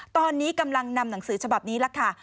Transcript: ตอนนี้กำลังนำหนังสือฉบับนี้ล่ะค่ะ